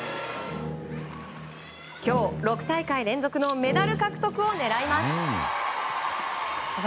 今日、６大会連続のメダル獲得を狙います。